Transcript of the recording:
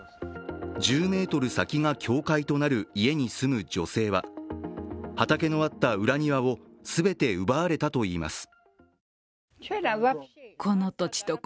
１０ｍ先が境界となる家に住む女性は畑のあった裏庭を全て奪われたといいます。